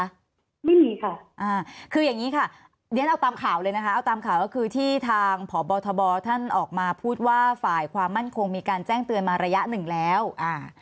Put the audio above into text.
ไม่มีค่ะอ่าคืออย่างงี้ค่ะเรียนเอาตามข่าวเลยนะคะเอาตามข่าวก็คือที่ทางพบทบท่านออกมาพูดว่าฝ่ายความมั่นคงมีการแจ้งเตือนมาระยะหนึ่งแล้วอ่า